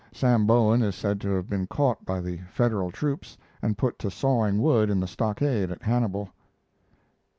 Sam Bowen is said to have been caught by the Federal troops and put to sawing wood in the stockade at Hannibal.